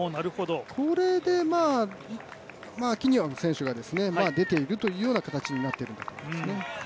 これでキニオン選手が出ているというような形になっているんですね。